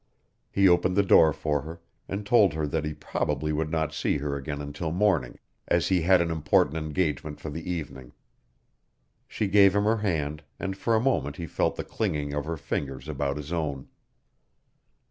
He opened the door for her, and told her that he probably would not see her again until morning, as he had an important engagement for the evening. She gave him her hand, and for a moment he felt the clinging of her fingers about his own.